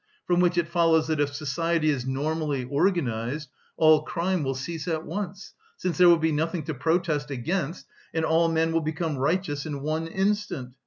From which it follows that, if society is normally organised, all crime will cease at once, since there will be nothing to protest against and all men will become righteous in one instant.